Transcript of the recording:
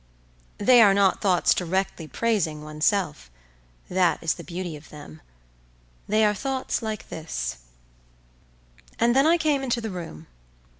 They are not thoughts directly praising oneself; that is the beauty of them; they are thoughts like this:"And then I came into the room.